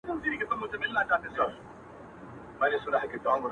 ستا د دوو هنديو سترگو صدقې ته-